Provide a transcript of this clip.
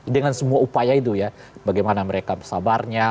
dengan semua upaya itu ya bagaimana mereka sabarnya